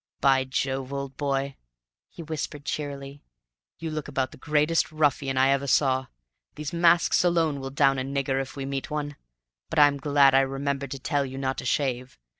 "By Jove, old boy," he whispered cheerily, "you look about the greatest ruffian I ever saw! These masks alone will down a nigger, if we meet one. But I'm glad I remembered to tell you not to shave.